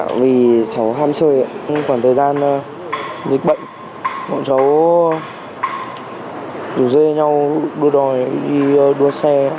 vì cháu ham chơi khoảng thời gian dịch bệnh bọn cháu rủ dê nhau đua đòi đi đua xe